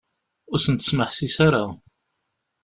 Ur asent-ismeḥsis ara.